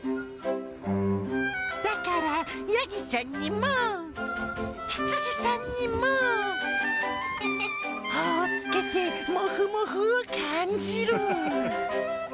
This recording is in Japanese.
だから、ヤギさんにも、ヒツジさんにも。ほおをつけてモフモフを感じる。